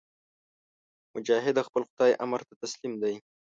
مجاهد د خپل خدای امر ته تسلیم دی.